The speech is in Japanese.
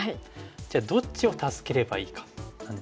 じゃあどっちを助ければいいかなんですけども。